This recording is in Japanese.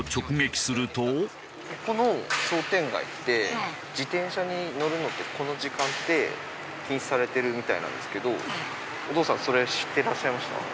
ここの商店街って自転車に乗るのってこの時間って禁止されてるみたいなんですけどお父さんそれ知ってらっしゃいました？